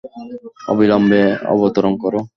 অবিলম্বে অবতরণ করো।